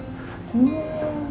terus dari situ aku sempet